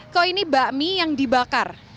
kok ini bak mie yang dibakar